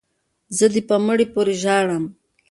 ـ زه دې په مړي پورې ژاړم،